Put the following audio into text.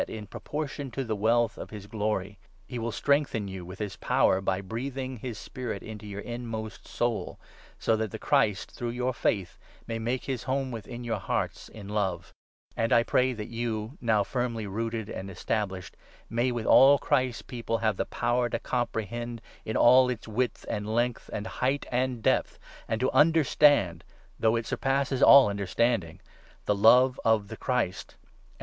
1 *n ProPort'on to the wealth of his glory, he will strengthen you with his power by breathing his Spirit into your inmost soul, so that the Christ, through your faith, may make his home within your hearts in love ; and I pray that you, now firmly rooted and established, may, with all Christ's People, have the power to comprehend in all its width and length and height and depth, and to understand — though it surpasses all understanding — the love of the Christ ; and so be filled to the full with God himself.